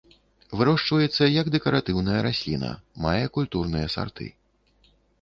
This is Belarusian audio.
Вырошчваецца як дэкаратыўная расліна, мае культурныя сарты.